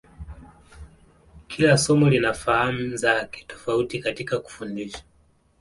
Kila somo lina fahamu zake tofauti katika kufundisha.